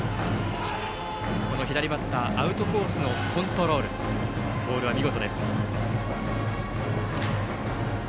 この左バッターへのアウトコースのコントロールボールは見事です。